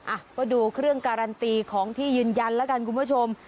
อ่ะก็ดูเครื่องการันตีของที่ยืนยันแล้วกันคุณผู้ชม